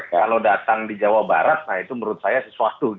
kalau datang di jawa barat nah itu menurut saya sesuatu